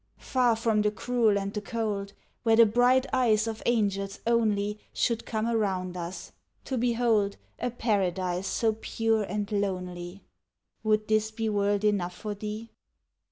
Far from the cruel and the cold, Where the bright eyes of angels only Should come around us, to behold A paradise so pure and lonely! Would this be world enough for thee?"